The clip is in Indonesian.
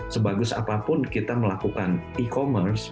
sebagus apapun kita melakukan e commerce